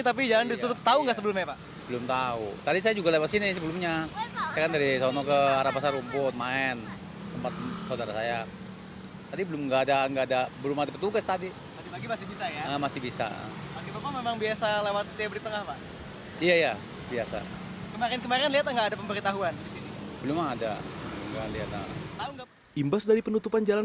tapi jangan lupa